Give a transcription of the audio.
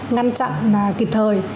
ngăn chặn kịp thời